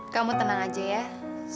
kamu tetap berhati hati